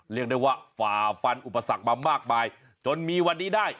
เรียกได้ว่าฝ่าฟันอุปสรรคมามากมายจนมีวันนี้ได้